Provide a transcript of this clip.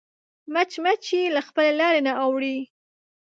مچمچۍ له خپلې لارې نه اوړي